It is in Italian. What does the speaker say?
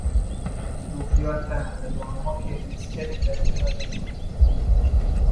Il dubbio attanaglia l'uomo che rischia di perdere la ragione.